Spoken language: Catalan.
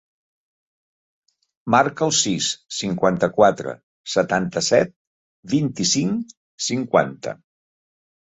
Marca el sis, cinquanta-quatre, setanta-set, vint-i-cinc, cinquanta.